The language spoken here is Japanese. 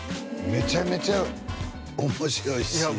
めちゃめちゃ面白いしいや